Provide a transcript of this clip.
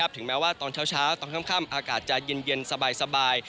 ถึงแม้ว่าตอนเช้าตอนค่ำอากาศจะเย็นสบาย